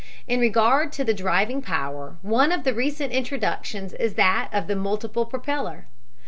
In regard to the driving power, one of the recent introductions is that of the multiple propeller.